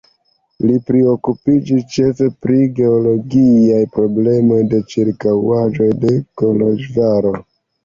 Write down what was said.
Li priokupiĝis ĉefe pri geologiaj problemoj de ĉirkaŭaĵoj de Koloĵvaro.